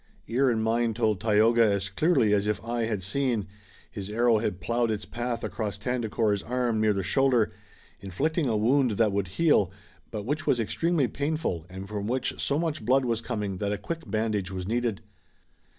Ear and mind told Tayoga as clearly as if eye had seen. His arrow had ploughed its path across Tandakora's arm near the shoulder, inflicting a wound that would heal, but which was extremely painful and from which so much blood was coming that a quick bandage was needed.